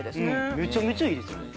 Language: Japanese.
めちゃめちゃいいですよね。